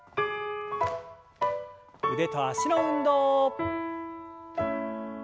腕と脚の運動。